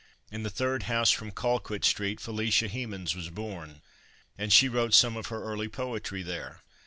In the third house from Colquitt street Felicia Hemans was born, and she wrote some of her early poetry there.